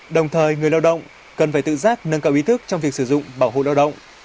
đồng thời người lao động cần phải tự giác nâng cao ý thức trong việc sử dụng bảo hộ lao động